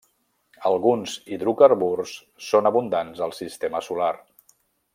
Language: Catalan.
Alguns hidrocarburs són abundants al sistema solar.